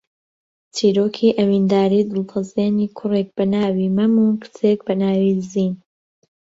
چیرۆکی ئەوینداریی دڵتەزێنی کوڕێک بە ناوی مەم و کچێک بە ناوی زین